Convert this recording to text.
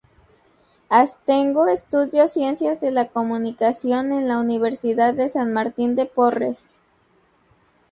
Astengo estudió Ciencias de la comunicación en la Universidad de San Martín de Porres.